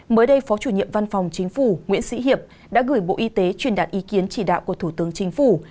mới đây phó chủ nhiệm văn phòng chính phủ nguyễn sĩ hiệp đã gửi bộ y tế truyền đạt ý kiến chỉ đạo của thủ tướng chính phủ